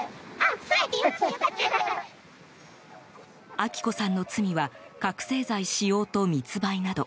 明子さんの罪は覚醒剤使用と密売など。